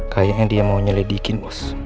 kayaknya dia mau nyeledikin bos